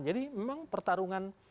jadi memang pertarungan